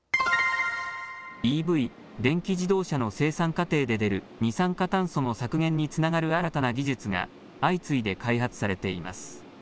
ＥＶ・電気自動車の生産過程で出る二酸化炭素の削減につながる新たな技術が相次いで開発されています。